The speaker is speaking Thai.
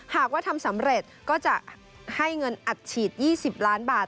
หากว่าทำสำเร็จก็จะให้เงินอัดฉีด๒๐ล้านบาท